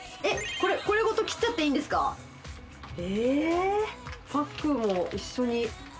これこれごと切っちゃっていいんですかえっ